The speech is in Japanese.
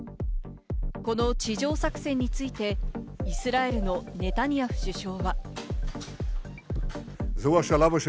この地上作戦についてイスラエルのネタニヤフ首相は。